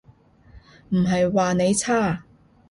唔係話你差